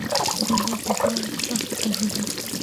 دین دیموکراسي رابطې هر کس تحلیلوي.